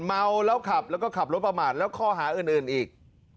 เมาแล้วขับแล้วก็ขับรถประมาทแล้วข้อหาอื่นอีก